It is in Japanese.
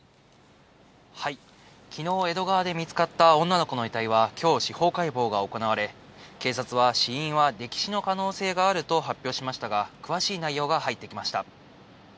きのう、江戸川で見つかった女の子の遺体はきょう、司法解剖が行われ、警察は死因は溺死の可能性があると発表しましたが、詳しい内容が入ってきました。